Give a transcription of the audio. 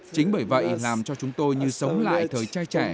chính bởi vậy làm cho chúng tôi như sống lại thời trai trẻ